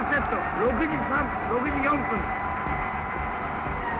６時４分。